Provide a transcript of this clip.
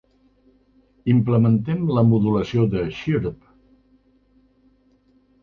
Implementem la modulació de xirp.